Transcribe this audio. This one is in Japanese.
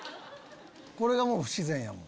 これがもう不自然やもん。